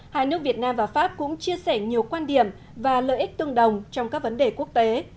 hai nước việt nam và pháp cũng chia sẻ nhiều quan điểm và lợi ích tương đồng trong các vấn đề quốc tế